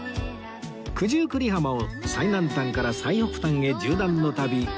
九十九里浜を最南端から最北端へ縦断の旅